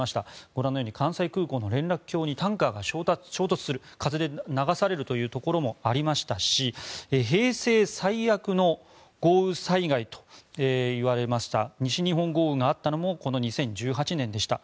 ご覧のように関西空港の連絡橋にタンカーが衝突する風で流されるということもありましたし平成最悪の豪雨災害といわれました西日本豪雨があったのもこの２０１８年でした。